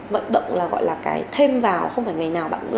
vận động là gọi là cái thêm vào không phải ngày